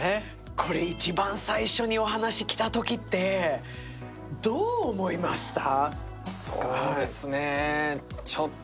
これ、一番最初にお話が来たときって、どう思いました？